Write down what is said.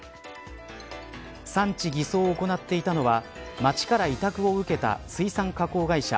産地偽装を行っていたのは町から委託を受けた水産加工会社